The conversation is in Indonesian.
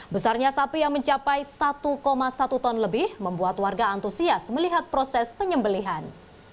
besarnya sapi yang mencapai satu satu ton lebih membuat warga antusias melihat proses penyembelihan